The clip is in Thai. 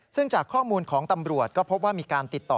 ซึ่งจากข้อมูลของตำรวจก็พบว่ามีการติดต่อ